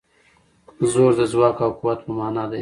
زور د ځواک او قوت په مانا دی.